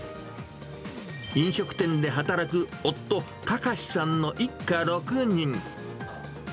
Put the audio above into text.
飲食店で働く夫、たかしさんの一家６人。